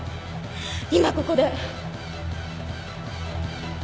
今ここで。